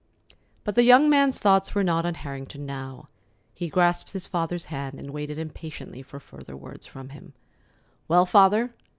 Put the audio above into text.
But the young man's thoughts were not on Harrington now. He grasped his father's hand, and waited impatiently for further words from him. "Well, Father?"